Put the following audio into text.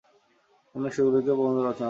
তিনি অনেক সুলিখিত প্রবন্ধ রচনা করেন।